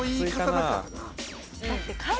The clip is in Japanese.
だって。